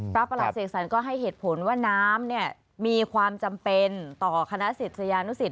ประหลัดเสกสรรก็ให้เหตุผลว่าน้ำเนี่ยมีความจำเป็นต่อคณะศิษยานุสิต